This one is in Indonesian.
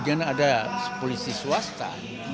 jangan ada polisi swasta